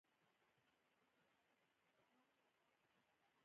لا هم ځینې خلک په دې اند دي چې افریقایان بېوزله دي.